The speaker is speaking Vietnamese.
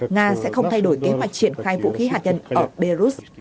nga sẽ không thay đổi kế hoạch triển khai vũ khí hạt nhân ở belarus